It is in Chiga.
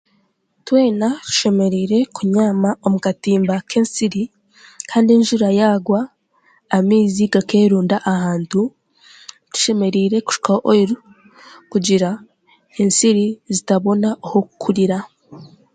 Twena tushemerire kunyama omu katimba k'ensiri kandi enjura yaagwa amaizi g'ak'erunda ahantu, tushemerire kushikaho oil kugira ensiri zitabona ah'okukirira.